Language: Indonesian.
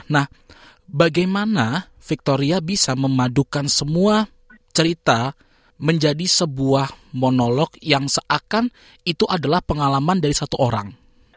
nah bagaimana victoria bisa memadukan semua cerita menjadi sebuah monolog yang seakan itu adalah pengalaman dari satu orang